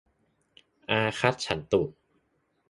อาคัจฉันตุ